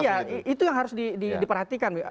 iya itu yang harus diperhatikan